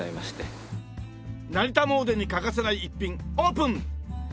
成田詣に欠かせない逸品オープン！